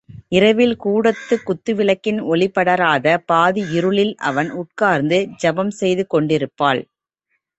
இரவில், கூடத்துக் குத்துவிளக்கின் ஒளிபடராத பாதி இருளில் அவன் உட்கார்ந்து ஜபம் செய்து கொண்டிருப்பாள்.